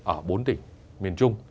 ở bốn tỉnh miền trung